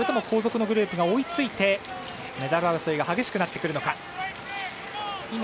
後続のグループが追いついてメダル争いが激しくなってくるのか。